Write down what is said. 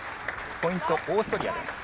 ポイント、オーストリアです。